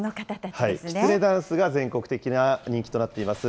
きつねダンスが全国的な人気となっています、